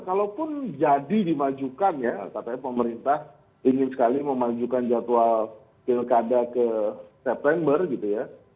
kalaupun jadi dimajukan ya katanya pemerintah ingin sekali memajukan jadwal pilkada ke september gitu ya